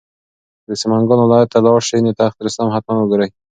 که د سمنګان ولایت ته لاړ شې نو تخت رستم حتماً وګوره.